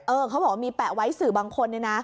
เขาบอกว่ามีแปะไว้สื่อบางคนเนี่ยนะ